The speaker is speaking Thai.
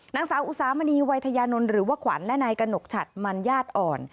นางสาวอุสามณีวัยทยานนท์หรือว่าขวัญและนายกระหนกฉัดมัญญาติอ่อน